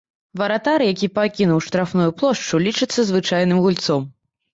Варатар, які пакінуў штрафную плошчу, лічыцца звычайным гульцом.